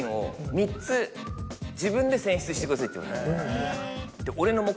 自分で選出してくださいって言われた。